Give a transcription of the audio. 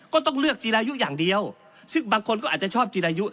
ก็ต้องเลือกจีรายุอย่างเดียวซึ่งบางคนก็อาจจะชอบจีรายุ